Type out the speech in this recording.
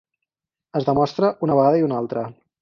Es demostra una vegada i una altra.